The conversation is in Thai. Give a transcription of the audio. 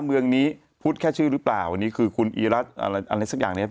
เมืองนี้พูดแค่ชื่อหรือเปล่าอันนี้คือคุณอีรัตน์อะไรสักอย่างเนี่ย